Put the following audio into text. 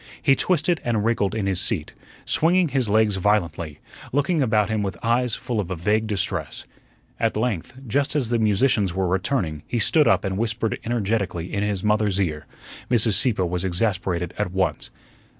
He twisted and wriggled in his seat, swinging his legs violently, looking about him with eyes full of a vague distress. At length, just as the musicians were returning, he stood up and whispered energetically in his mother's ear. Mrs. Sieppe was exasperated at once.